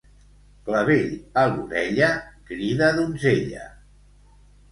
Clavell a l'orella crida donzella.